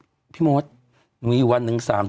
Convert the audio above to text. พวกนักอีกเวลาที่กินนักจะมีมีแบบว่าเหมือนใส่อัลมอนด์